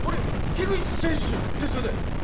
樋口選手ですよね？